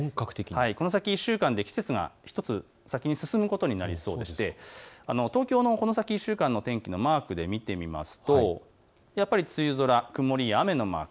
この先１週間で季節が１つ先に進むことになりそうでして東京のこの先１週間の天気をマークで見てみますと梅雨空、曇りや雨のマーク。